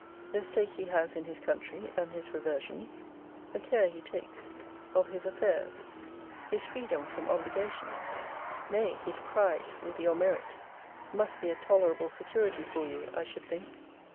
The stake he has in his country, and his reversions; the care he takes of his affairs; his freedom from obligation; nay, his pride, with your merit, must be a tolerable security for you, I should think.